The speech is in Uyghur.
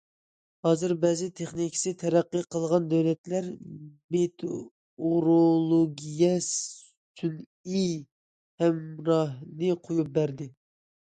ھازىر بەزى تېخنىكىسى تەرەققىي قىلغان دۆلەتلەر مېتېئورولوگىيە سۈنئىي ھەمراھىنى قويۇپ بەردى.